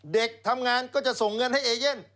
เด็กทำงานก็จะส่งเงินให้เอเย่น